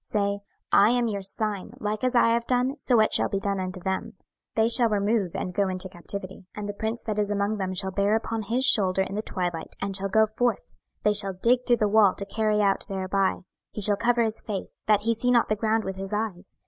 26:012:011 Say, I am your sign: like as I have done, so shall it be done unto them: they shall remove and go into captivity. 26:012:012 And the prince that is among them shall bear upon his shoulder in the twilight, and shall go forth: they shall dig through the wall to carry out thereby: he shall cover his face, that he see not the ground with his eyes.